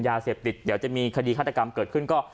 ยาเสพติดเดี๋ยวจะมีคดีฆาตกรรมเกิดขึ้นก็